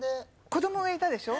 子供がいたでしょ？